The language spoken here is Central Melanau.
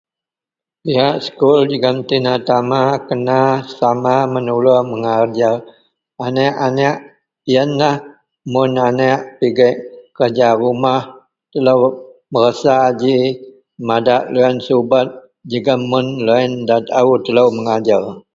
diyak sekul jegum tina tama kena sama menulung megajar aneak-aneak, ienlah mun aneak pigek kerja rumah telou periksa ji, madak deloyien subet jegum mun loyien taau telou megajer